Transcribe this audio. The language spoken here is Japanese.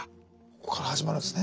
ここから始まるんですね。